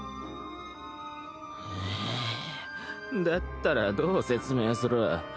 だったらどう説明する？